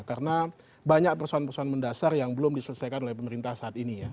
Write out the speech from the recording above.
karena banyak persoalan persoalan mendasar yang belum diselesaikan oleh pemerintah saat ini ya